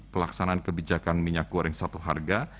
pelaksanaan kebijakan minyak goreng satu harga